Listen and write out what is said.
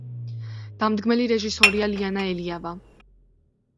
დამდგმელი რეჟისორია ლიანა ელიავა.